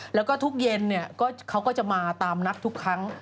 แล้วก็ทุกเย็นเขาก็จะมาตามนัดทุกครั้ง